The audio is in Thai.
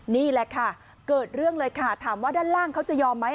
นี่แหละค่ะเกิดเรื่องเลยค่ะถามว่าด้านล่างเขาจะยอมไหม